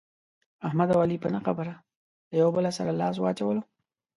احمد او علي په نه خبره یو له بل سره لاس واچولو.